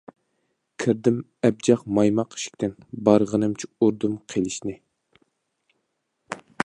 كىردىم ئەبجەق مايماق ئىشىكتىن، بارغىنىمچە ئۇردۇم قىلىچنى.